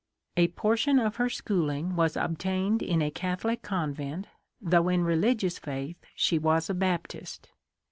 A portion of her schooling was obtained in a Catholic convent, though in religious faith she was a Baptist.